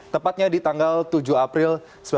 tepatnya di tanggal tujuh april seribu sembilan ratus empat puluh